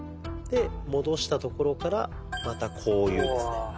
で戻したところからまたこういうですね。